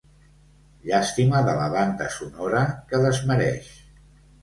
Llàstima de la banda sonora, que desmereix.